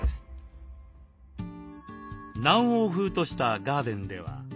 「南欧風」としたガーデンでは。